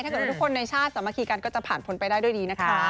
ทุกคนในชาติสามัคคีกันก็จะผ่านพ้นไปได้ด้วยดีนะคะ